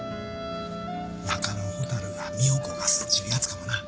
鳴かぬ蛍が身を焦がすっちゅうやつかもな。